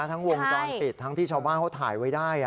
ทั้งวงจรปิดทั้งที่ชาวบ้านเขาถ่ายไว้ได้